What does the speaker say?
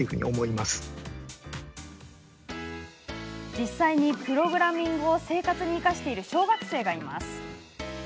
実際にプログラミングを生活に生かしている小学生がいます。